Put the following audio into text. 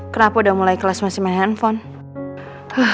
kenapa udah mulai kelas masih main handphone